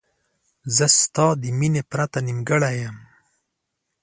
زه ستا له مینې پرته نیمګړی یم.